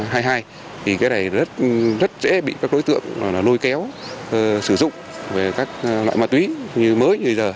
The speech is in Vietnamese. thì cái này rất dễ bị các đối tượng lôi kéo sử dụng về các loại ma túy như mới bây giờ